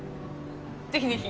ぜひぜひ！